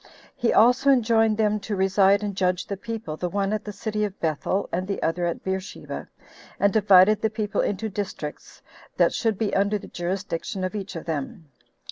He also enjoined them to reside and judge the people, the one at the city of Bethel, and the other at Beersheba, and divided the people into districts that should be under the jurisdiction of each of them.